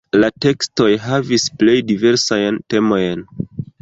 La tekstoj havis plej diversajn temojn.